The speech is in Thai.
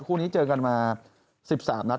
คู่นี้เจอกันมา๑๓นัด